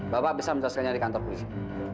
bapak bisa mencari kantor polisi